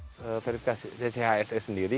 seferikasi cchs sendiri